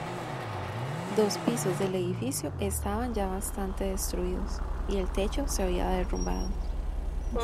Dos pisos del edificio estaban ya bastante destruidos, y el techo se había derrumbado.